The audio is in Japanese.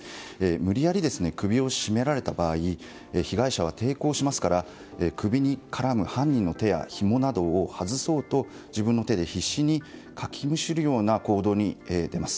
無理やり首を絞められた場合被害者は抵抗しますから首に絡む犯人の手やひもなどを外そうと自分の手で必死にかきむしるような行動に出ます。